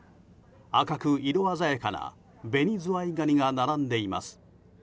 赤く色鮮やかなベニズワイガニが並んでいます。